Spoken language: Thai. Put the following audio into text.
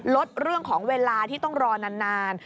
ลดเรื่องของเวลาที่ต้องรอนาน